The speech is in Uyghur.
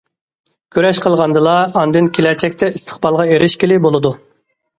كۈرەش قىلغاندىلا، ئاندىن كېلەچەكتە ئىستىقبالغا ئېرىشكىلى بولىدۇ.